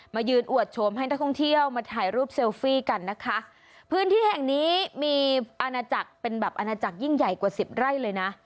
มายืนอวดโฉมให้นักท่องเที่ยวมาถ่ายรูปเซลฟี่กันนะคะพื้นที่แห่งนี้มีอาณาจักรเป็นแบบอาณาจักรยิ่งใหญ่กว่าสิบไร่เลยนะ